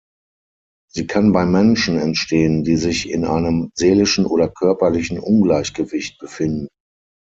Sie kann bei Menschen entstehen, die sich in einem seelischen oder körperlichen Ungleichgewicht befinden.